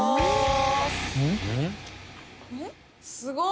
すごい！